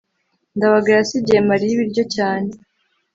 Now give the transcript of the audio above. ndabaga yasigiye mariya ibiryo cyane